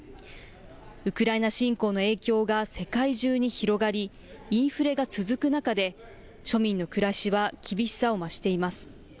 ウクライナ侵攻の影響が世界中に広がり、インフレが続く中で、庶民の暮らしは厳しさを増しています。